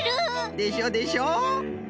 でしょでしょ。